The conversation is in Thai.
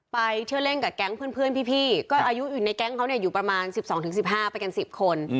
ไปเที่ยวเล่นกับแก๊งเพื่อนพี่ก็อายุอยู่ในแก๊งเขาเนี่ยอยู่ประมาณ๑๒๑๕ไปกัน๑๐คน